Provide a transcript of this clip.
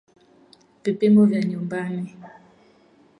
Vipimo vya nyumbani